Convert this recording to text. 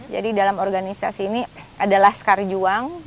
jadi dalam organisasi ini ada laskar juang